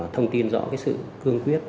thông tin rõ cái sự cương quyết